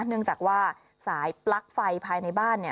เนื่องจากว่าสายปลั๊กไฟภายในบ้าน